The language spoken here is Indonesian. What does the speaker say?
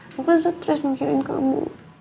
aku gak stres mengkirin kamu